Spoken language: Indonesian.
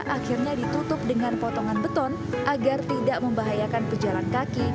akhirnya ditutup dengan potongan beton agar tidak membahayakan pejalan kaki